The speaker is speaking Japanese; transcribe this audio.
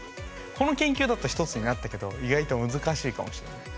この研究だと１つになったけど意外と難しいかもしれない。